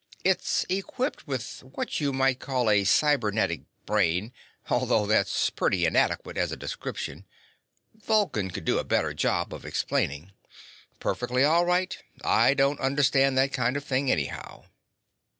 It's equipped with what you might call a cybernetic brain although that's pretty inadequate as a description. Vulcan could do a better job of explaining." "Perfectly all right. I don't understand that kind of thing anyhow."